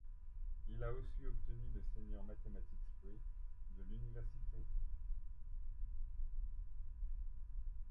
Il a aussi obtenu le Senior Mathematics Prix de l'Université.